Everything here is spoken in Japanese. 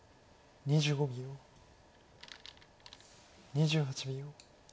２８秒。